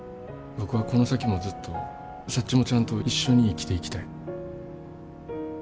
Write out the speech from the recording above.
僕はこの先もずっとサッチモちゃんと一緒に生きていきたい。